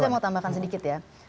saya mau tambahkan sedikit ya